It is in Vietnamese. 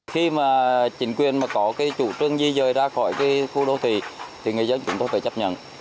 khi mà chính quyền có chủ trương gì rời ra khỏi khu đô thị thì người dân chúng tôi phải chấp nhận